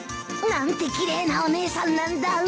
何て奇麗なお姉さんなんだ